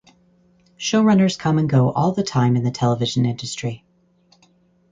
Showrunners come and go all the time in the television industry.